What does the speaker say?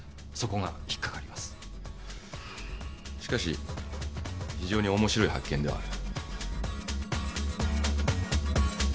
しかし非常におもしろい発見ではある。